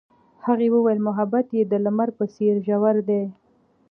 هغې وویل محبت یې د لمر په څېر ژور دی.